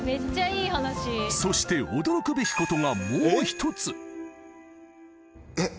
そして驚くべきことがもう一えっ？